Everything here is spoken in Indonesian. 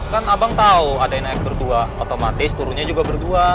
kan abang tau adek naik berdua otomatis turunnya juga berdua